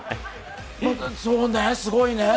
すごいね。